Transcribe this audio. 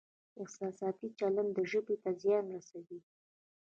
احساساتي چلند ژبې ته زیان رسوي.